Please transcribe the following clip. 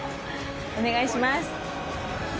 お願いします。